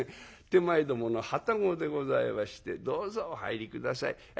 手前どもの旅籠でございましてどうぞお入り下さい。